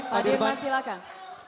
pak dirman silakan